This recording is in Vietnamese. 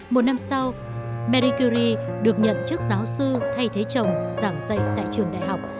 một năm sau marie curie được nhận chức giáo sư thay thế chồng giảng dạy tại trường đại học